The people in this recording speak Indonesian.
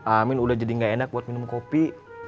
amin udah jadi gak enak buat minum kopi